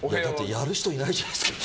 やる人いないじゃないですか。